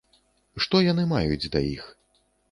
Што яны маюць да іх?